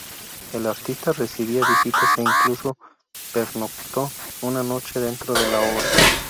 El artista recibía visitas e incluso pernoctó una noche dentro de la obra.